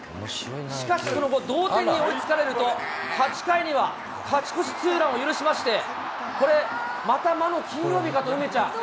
しかしその後、同点に追いつかれると、８回には勝ち越しツーランを許しまして、これ、もう本当にもう。